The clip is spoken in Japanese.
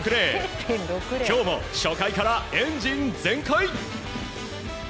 今日も初回からエンジン全開！